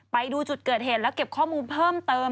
ไปดูจุดเกิดเหตุแล้วเก็บข้อมูลเพิ่มเติม